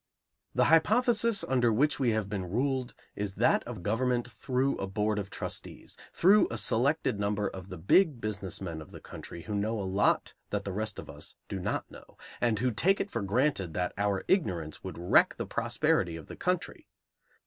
The hypothesis under which we have been ruled is that of government through a board of trustees, through a selected number of the big business men of the country who know a lot that the rest of us do not know, and who take it for granted that our ignorance would wreck the prosperity of the country.